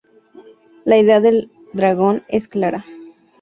La idea del dragón es clara.